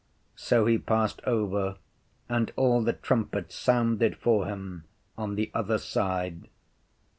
So he passed over, and all the trumpets sounded for him on the other side.